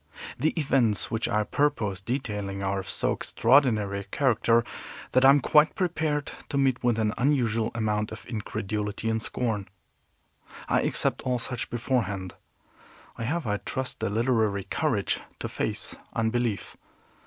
The events which I purpose detailing are of so extraordinary a character that I am quite prepared to meet with an unusual amount of incredulity and scorn. I accept all such beforehand. I have, I trust, the literary courage to face unbelief.